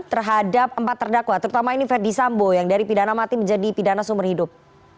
terhadap empat terdakwa terutama ini ferdisambo yang dari pidana mati menjadi pidana sumber hidup